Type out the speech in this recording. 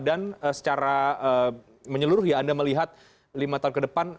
dan secara menyeluruh ya anda melihat lima tahun ke depan